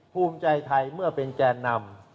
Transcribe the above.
ภูมิใจไทยเมื่อเป็นแกนนำ